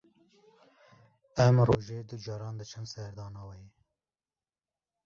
Em rojê du caran diçin serdana wê.